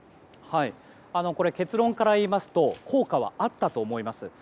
結論からいいますと効果はあったと思います。